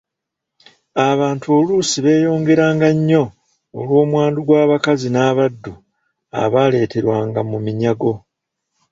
Abantu oluusi beeyongeranga nnyo olw'omwandu gw'abakazi n'abaddu abaaleeterwanga mu minyago.